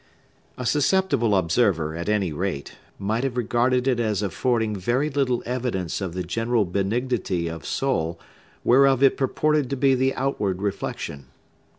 A susceptible observer, at any rate, might have regarded it as affording very little evidence of the general benignity of soul whereof it purported to be the outward reflection.